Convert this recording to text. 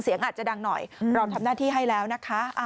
เสียงอาจจะดังหน่อยเราทำหน้าที่ให้แล้วนะคะ